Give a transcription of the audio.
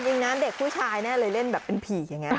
จริงนะเด็กผู้ชายแน่เลยเล่นแบบเป็นผีอย่างนี้